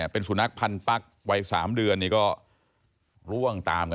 เป็นสุนัขพันธุ์ปักวัย๓เดือนก็ร่วงตามกันไป